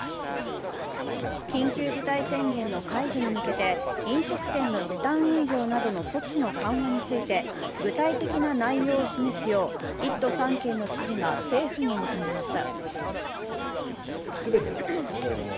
緊急事態宣言の解除に向けて飲食店の時短営業などの措置の緩和について、具体的な内容を示すよう１都３県の知事が政府に求めました。